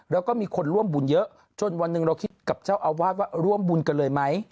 แล้วก็มีคนร่วมบุญเยอะจนวันหนึ่งเราคิดกับเจ้าอาวาสว่าร่วมบุญกันเลยไหม